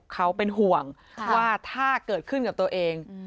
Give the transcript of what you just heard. เขาเป็นห่วงว่าถ้าเกิดขึ้นกับตัวเอง